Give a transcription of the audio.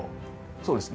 そうですね